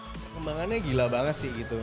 perkembangannya gila banget sih gitu